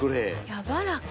やわらか。